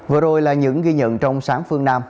vừa rồi là những ghi nhận trong sáng phương nam